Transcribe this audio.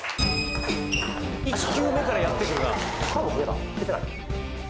１球目からやってくるなかけてない？